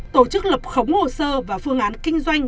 tổ chức lập khống hồ sơ và phương án kinh doanh